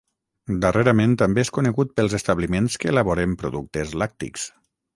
Darrerament també és conegut pels establiments que elaboren productes làctics.